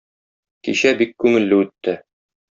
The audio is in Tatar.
Кичә бик күңелле үтте.